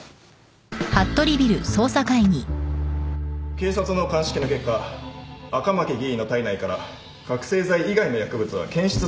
警察の鑑識の結果赤巻議員の体内から覚せい剤以外の薬物は検出されなかったとのことです。